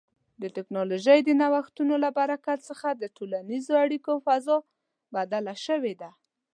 د ټکنالوژۍ د نوښتونو له برکت څخه د ټولنیزو اړیکو فضا بدله شوې ده.